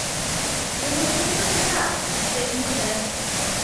Doedd neb wedi bod yn yr ardd ers deng mlynedd.